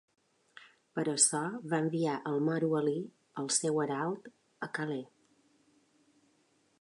Per això, va enviar el moro Alí, el seu herald, a Calais.